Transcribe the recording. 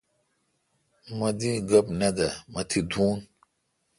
مہ دی گپ۔ نہ دہ مہ تی دون